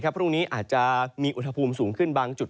พรุ่งนี้อาจจะมีอุณหภูมิสูงขึ้นบางจุด